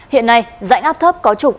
hiện nay dạng áp thấp có trục